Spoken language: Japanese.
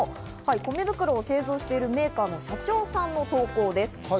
米袋を製造しているメーカーの社長さんの投稿です。